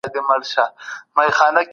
د لېسې ځانګړی کتابتون ډیر کتابونه لري.